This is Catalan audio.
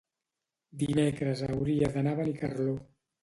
Dimecres hauria d'anar a Benicarló.